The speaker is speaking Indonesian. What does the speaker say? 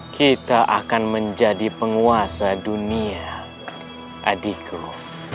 kita akan menjadi penguasa dunia adikro